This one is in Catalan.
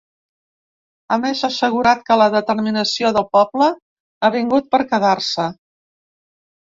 A més, ha assegurat que la determinació del poble ha vingut per quedar-se.